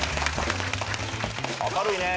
明るいね。